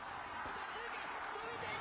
左中間、伸びていく。